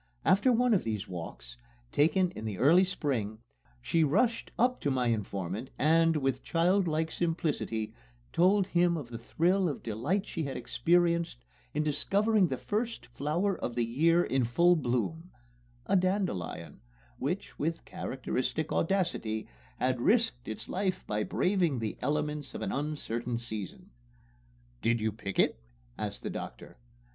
After one of these walks, taken in the early spring, she rushed up to my informant and, with childlike simplicity, told him of the thrill of delight she had experienced in discovering the first flower of the year in full bloom a dandelion, which, with characteristic audacity, had risked its life by braving the elements of an uncertain season. "Did you pick it?" asked the doctor.